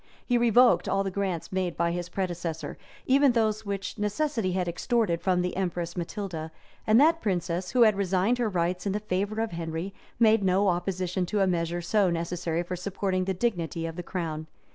He revoked all the grants made by his predecessor, even those which necessity had extorted from the empress Matilda; and that princess, who had resigned her rights in favor of Henry, made no opposition to a measure so necessary for supporting the dignity of the crown.